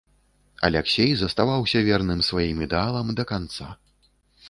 Аляксей заставаўся верным сваім ідэалам да канца.